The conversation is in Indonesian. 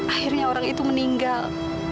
akhirnya orang itu meninggal